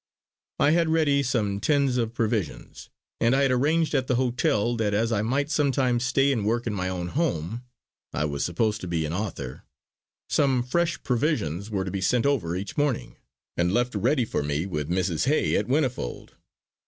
I had ready some tins of provisions, and I had arranged at the hotel that as I might sometimes stay and work in my own home I was supposed to be an author some fresh provisions were to be sent over each morning, and left ready for me with Mrs. Hay at Whinnyfold.